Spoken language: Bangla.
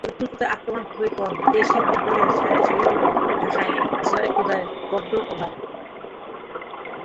পরিকল্পিত আক্রমণ খুবই কম, দেশি ফুটবলারদের শরীরী ভাষায় জয়ক্ষুধার বড্ড অভাব।